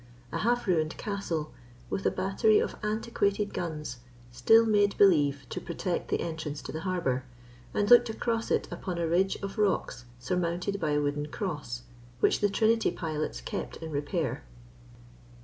A half ruined castle, with a battery of antiquated guns, still made believe to protect the entrance to the harbour, and looked across it upon a ridge of rocks surmounted by a wooden cross, which the Trinity pilots kept in repair.